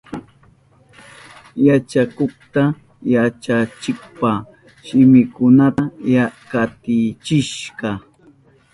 Yachakukka yachachikpa shiminkunata katichishka.